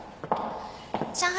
上海